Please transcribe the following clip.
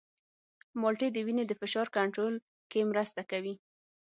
مالټې د وینې د فشار کنټرول کې مرسته کوي.